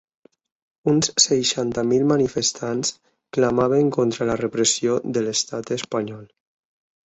Uns seixanta mil manifestants clamaven contra la repressió de l’estat espanyol.